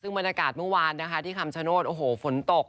ซึ่งบรรยากาศเมื่อวานนะคะที่คำชโนธโอ้โหฝนตก